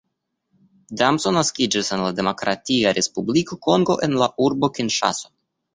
Damso naskiĝis en la Demokratia Respubliko Kongo en la urbo Kinŝaso.